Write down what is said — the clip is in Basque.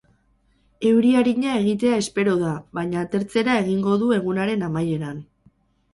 Euri arina egitea espero da, baina atertzera egingo du egunaren amaieran.